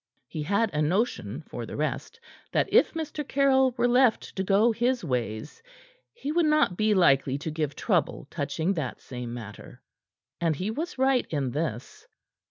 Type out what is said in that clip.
He had a notion, for the rest, that if Mr. Caryll were left to go his ways, he would not be likely to give trouble touching that same matter. And he was right in this.